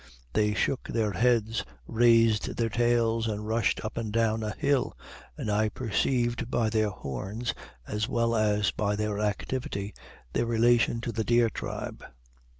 They shook their heads, raised their tails, and rushed up and down a hill, and I perceived by their horns, as well as by their activity, their relation to the deer tribe.